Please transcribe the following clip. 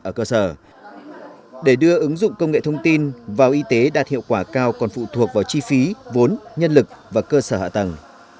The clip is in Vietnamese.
các chuẩn thông tin ở cơ sở để đưa ứng dụng công nghệ thông tin vào y tế đạt hiệu quả cao còn phụ thuộc vào chi phí vốn nhân lực và cơ sở hạ tầng